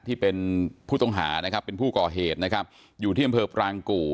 ที่เป็นผู้ต้องหานะครับเป็นผู้ก่อเหตุนะครับอยู่ที่อำเภอปรางกู่